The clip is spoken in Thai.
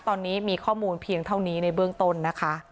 ตอนนี้มีข้อมูลเพียงเท่านี้ในเบื้องต้นนะคะ